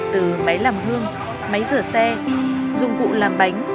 từ máy làm gương máy rửa xe dụng cụ làm bánh